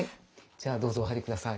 じゃあどうぞお入り下さい。